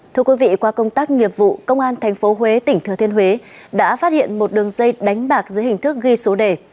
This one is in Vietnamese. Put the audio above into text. thưa quý vị qua công tác nghiệp vụ công an tp huế tỉnh thừa thiên huế đã phát hiện một đường dây đánh bạc dưới hình thức ghi số đề